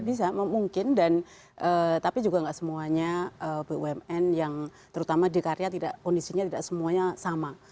bisa memungkin dan tapi juga nggak semuanya bumn yang terutama di karya kondisinya tidak semuanya sama